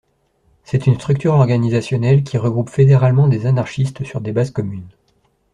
C'est une structure organisationnelle qui regroupe fédéralement des anarchistes sur des bases communes.